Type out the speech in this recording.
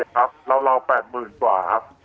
ครับราว๘๐๐๐กว่าครับ